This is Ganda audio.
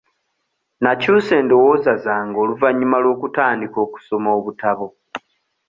Nakyusa endowooza zange oluvannyuma lw'okutandika okusoma obutabo.